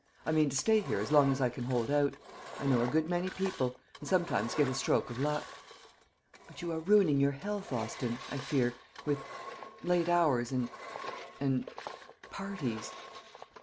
I mean to stay here as long as I can hold out. I know a good many people, and sometimes get a stroke of luck." "But you are ruining your health. Austin, I fear, with late hours, and and parties."